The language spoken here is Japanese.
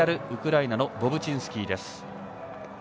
ウクライナのボブチンスキーです。